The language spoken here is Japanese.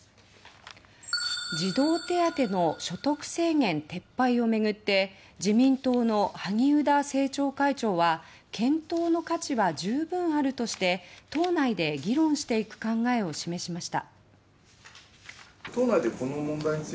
児童手当の所得制限撤廃を巡って自民党の萩生田政調会長は検討の価値は十分あるとして党内で議論していく考えを示しました。